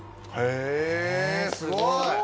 えっすごい！